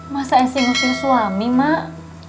masa esi ngusir suami mak